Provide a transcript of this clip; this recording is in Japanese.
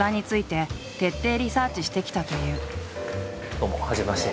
どうもはじめまして。